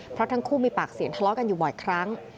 เพราะทั้งคู่มีปากเสียงทะเลาะกันอยู่บ่อยครั้ง